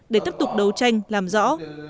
để tiếp tục đấu tranh làm rõ